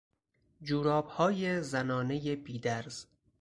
جورابهای زنانهی بیدرز